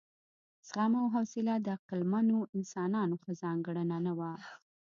زغم او حوصله د عقلمنو انسانانو ښه ځانګړنه نه وه.